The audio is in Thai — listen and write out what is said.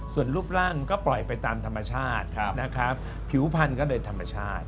ส่วนรูปร่างก็ปล่อยไปตามธรรมชาตินะครับผิวพันธุ์ก็โดยธรรมชาติ